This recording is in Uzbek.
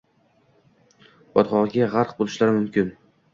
Botqog‘iga g‘arq bo‘lishlari mumkin.